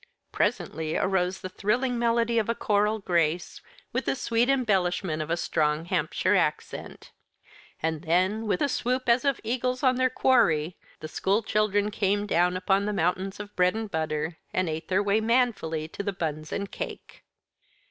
Presently arose the thrilling melody of a choral grace, with the sweet embellishment of a strong Hampshire accent. And then, with a swoop as of eagles on their quarry, the school children came down upon the mountains of bread and butter, and ate their way manfully to the buns and cake.